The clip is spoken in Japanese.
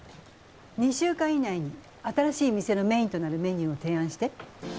２週間以内に新しい店のメインとなるメニューを提案して。